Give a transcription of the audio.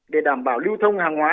để đảm bảo lưu thông hàng hóa